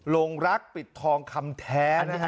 ลงรักปิดทองคำแท้นะฮะ